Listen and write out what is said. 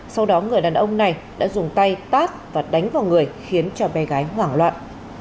sau đó người đàn ông này đã dùng tay tát và đánh vào người khiến cho bé gái hoảng loạn